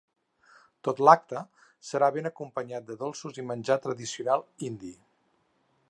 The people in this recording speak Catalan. Tot l’acte serà ben acompanyat de dolços i menjar tradicional indi.